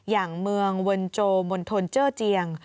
อย่างเมืองเวินโจมมนธนเจ้อเจียง